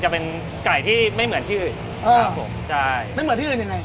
จะเป็นไก่ที่ไม่เหมือนที่อื่น